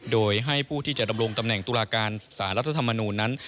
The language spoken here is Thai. โดยให้ผู้ที่จะดำรงตำแหน่งตุลาการสารรัฐธรรมนูญนั้น